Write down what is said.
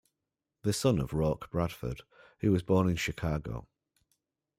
The son of Roark Bradford, he was born in Chicago.